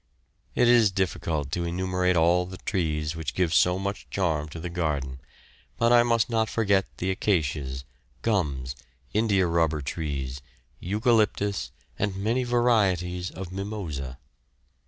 It is difficult to enumerate all the trees which give so much charm to the garden, but I must not forget the acacias, gums, indiarubber trees, eucalyptus, and many varieties of mimosa.